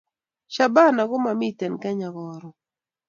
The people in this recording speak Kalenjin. Shabana ko mamiten kenya karon